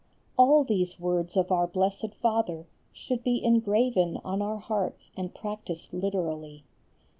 All these words of Our Blessed Father should be engraven on our hearts and practised literally.